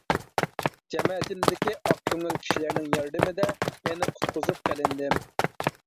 جەمەتىمدىكى ئاق كۆڭۈل كىشىلەرنىڭ ياردىمىدە يەنە قۇتقۇزۇپ قېلىندىم.